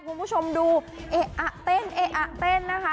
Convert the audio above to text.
คุณผู้ชมดูเอ๊ะอะเต้นเอ๊ะอะเต้นนะคะ